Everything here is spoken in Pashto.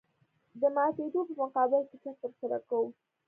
د ماتېدو په مقابل کې چک ترسره کوو